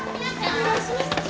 ・お願いします。